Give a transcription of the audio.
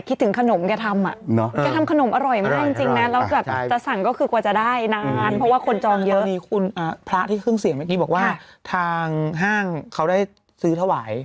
เครื่องเสียงเมื่อกี้บอกว่าทางห้างเขาได้ซื้อถวาย